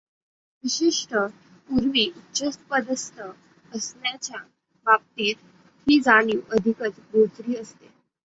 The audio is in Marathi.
विशेषत: पूर्वी उच्चपदस्थ असणाच्यांच्या बाबतीत ही जाणीव अधिकच बोचरी असते.